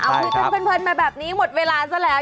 เอาคุยกันเพลินมาแบบนี้หมดเวลาซะแล้ว